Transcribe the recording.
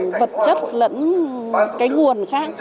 để bằng vật chất lẫn cái nguồn khác